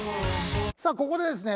さあここでですね